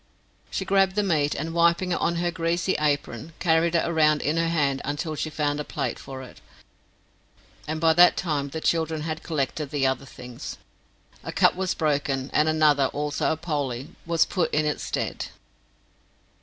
She grabbed the meat, and wiping it on her greasy apron, carried it around in her hand until she found a plate for it, and by that time the children had collected the other things. A cup was broken, and another, also a poley, was put in its stead.